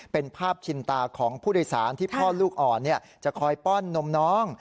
เป็นภาพชินตาของผู้โดยสารที่พ่อลูกอ่อนจะคอยป้อนนมน้อง